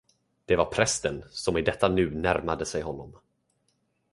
Det var prästen, som i detta nu närmade sig honom.